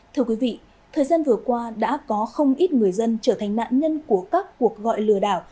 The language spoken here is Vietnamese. thưa quý vị thời gian vừa qua đã có không ít người dân trở thành nạn nhân của các cuộc gọi lừa đảo